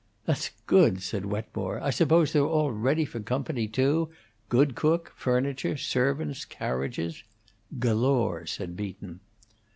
"That's good!" said Wetmore. "I suppose they're all ready for company, too: good cook, furniture, servants, carriages?" "Galore," said Beaton.